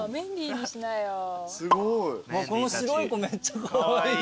この白い子めっちゃカワイイ。